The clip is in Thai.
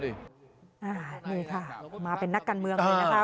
นี่ค่ะมาเป็นนักการเมืองเลยนะคะ